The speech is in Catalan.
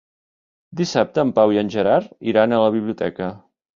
Dissabte en Pau i en Gerard iran a la biblioteca.